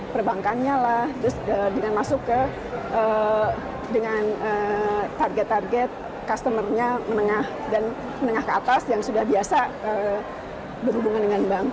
perbankannya lah dengan masuk ke dengan target target customer nya menengah dan menengah ke atas yang sudah biasa berhubungan dengan bank